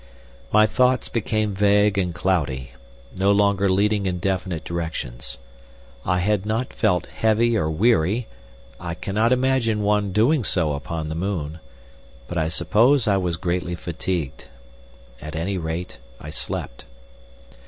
My thoughts became vague and cloudy, no longer leading in definite directions. I had not felt heavy or weary—I cannot imagine one doing so upon the moon—but I suppose I was greatly fatigued. At any rate I slept.